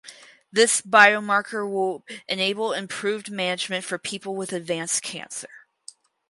This biomarker will enable improved management for people with advanced cancer.